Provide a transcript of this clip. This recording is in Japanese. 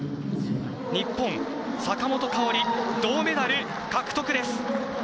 日本、坂本花織、銅メダル獲得です。